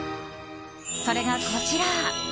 それが、こちら。